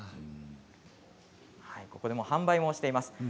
ここでは販売もしています。